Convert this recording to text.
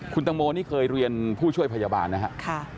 คุณตังโมนี่เคยเรียนผู้ช่วยพยาบาลนะครับ